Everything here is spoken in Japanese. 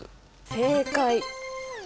正解！